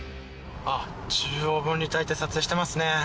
中央分離帯で撮影してますね。